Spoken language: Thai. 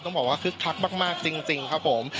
บอกว่าคึกคักมากจริงครับผม